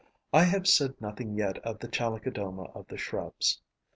I have said nothing yet of the Chalicodoma of the Shrubs.